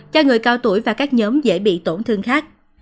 cho người cao tuổi và các nhóm dễ bị tổn thương khác